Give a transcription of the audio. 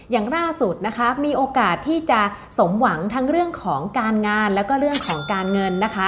อย่างล่าสุดนะคะมีโอกาสที่จะสมหวังทั้งเรื่องของการงานแล้วก็เรื่องของการเงินนะคะ